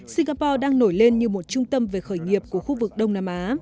singapore đang nổi lên như một trung tâm về khởi nghiệp của khu vực đông nam á